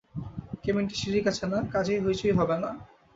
কেবিনটা সিঁড়ির কাছে না, কাজেই হৈচৈ হবে না।